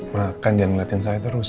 makan jangan ngeliatin saya terus